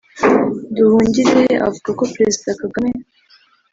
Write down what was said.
Nduhungirehe avuga ko Perezida Kagame